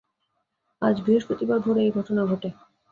আজ বৃহস্পতিবার ভোরে এ ঘটনা ঘটে।